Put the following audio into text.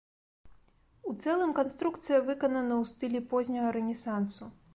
У цэлым канструкцыя выканана ў стылі позняга рэнесансу.